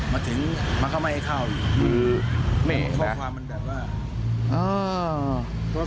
มาถึงมันก็ไม่ให้เข้าอืมนี่แหละมันความมันแบบว่าอ้าว